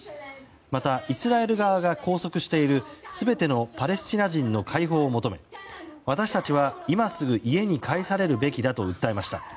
また、イスラエル側が拘束している全てのパレスチナ人の解放を求め私たちは今すぐ家に帰されるべきだと訴えました。